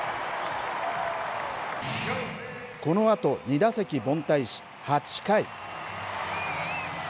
このあと２打席凡退し８回。